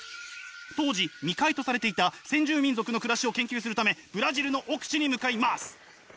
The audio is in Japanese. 当時未開とされていた先住民族の暮らしを研究するためブラジルの奥地に向かいます！